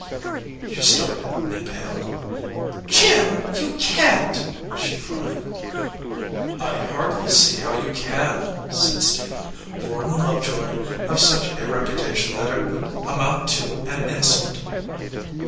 She started and paled. "Jim, you can t," she cried. "I hardly see how you can," said Stephen. "Lord & Love joy have such a reputation that it would amount to an insult."